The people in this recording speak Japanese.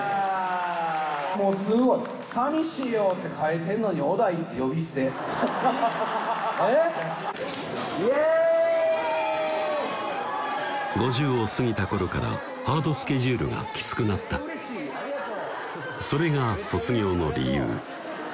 もうすごい「さみしいよ」って書いてんのに「おだい」って呼び捨てイエイイエイ５０を過ぎた頃からハードスケジュールがきつくなったそれが卒業の理由